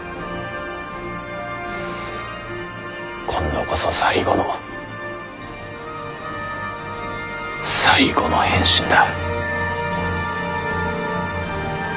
今度こそ最後の最後の変身だ。